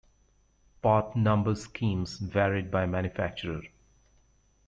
Part number schemes varied by manufacturer.